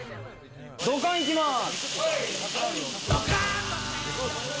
ドカン行きます。